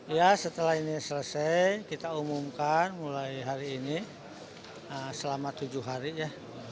ya setelah ini selesai kita umumkan mulai hari ini selama tujuh hari ya